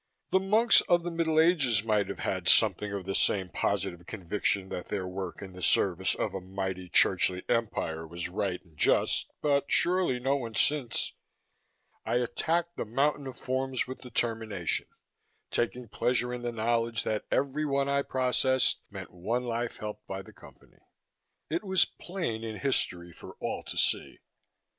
The monks of the Middle Ages might have had something of the same positive conviction that their work in the service of a mighty churchly empire was right and just, but surely no one since. I attacked the mountain of forms with determination, taking pleasure in the knowledge that every one I processed meant one life helped by the Company. It was plain in history, for all to see.